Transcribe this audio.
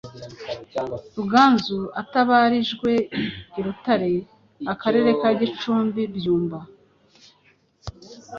Ruganzu atabarijweI Rutare Akarere ka Gicumbi Byumba